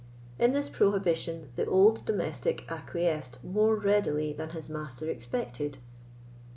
In this prohibition, the old domestic acquiesced more readily than his master expected.